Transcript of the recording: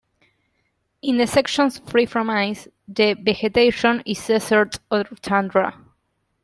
In the sections free from ice, the vegetation is desert or tundra.